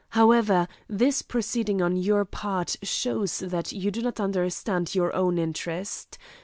However, this proceeding on your part shows that you do not understand your own interest.